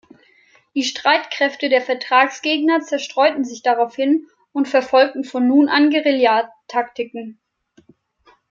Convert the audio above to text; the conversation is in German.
Die Streitkräfte der Vertragsgegner zerstreuten sich daraufhin und verfolgten von nun an Guerillataktiken.